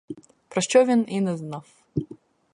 Про що він і не знав.